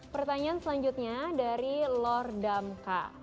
pertanyaan selanjutnya dari lordamka